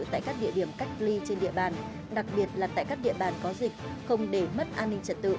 tại các địa điểm cách ly trên địa bàn đặc biệt là tại các địa bàn có dịch không để mất an ninh trật tự